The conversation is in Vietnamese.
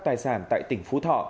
tài sản tại tỉnh phú thọ